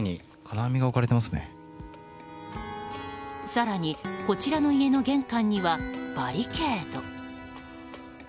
更に、こちらの家の玄関にはバリケード。